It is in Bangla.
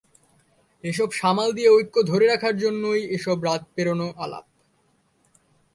এসব সামাল দিয়ে ঐক্য ধরে রাখার জন্যই এসব রাত পেরোনো আলাপ।